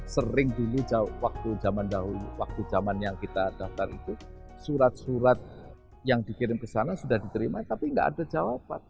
sering dulu waktu zaman dahulu waktu zaman yang kita daftar itu surat surat yang dikirim ke sana sudah diterima tapi nggak ada jawaban